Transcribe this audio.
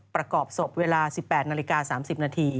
ประกอบศพเวลา๑๘น๓๐น